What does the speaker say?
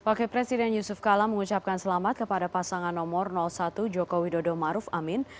oke presiden yusuf kala mengucapkan selamat kepada pasangan nomor satu joko widodo maruf amin